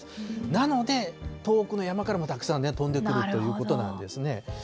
なので遠くの山からもたくさん飛んでくるということなんですね。